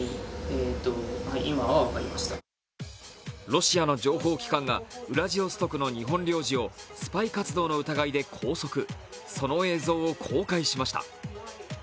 ロシアの情報機関がウラジオストクの日本領事をスパイ活動の疑いで拘束、その映像を公開しました。